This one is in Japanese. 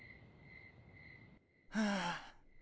はあ